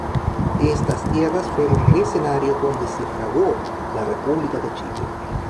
Estas tierras fueron el escenario donde se fraguó la República de Chile.